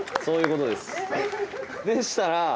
そういうことです。でしたら。